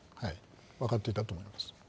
分かっていたと思います。